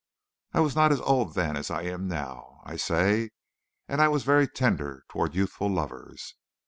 "I was not as old then as I am now, I say, and I was very tender toward youthful lovers.